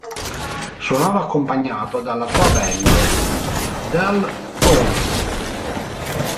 Suonava accompagnato dalla sua band, i Del-Tones.